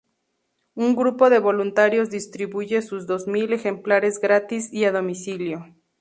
Un grupo de voluntarios distribuye sus dos mil ejemplares gratis y a domicilio.